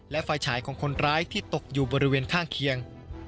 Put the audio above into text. และไฟฉายของคนร้ายที่ตกอยู่บริเวณข้างเคียง